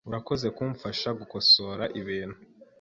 Urakoze kumfasha gukosora ibintu.